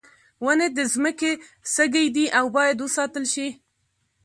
ونې د ځمکې سږی دي او باید وساتل شي.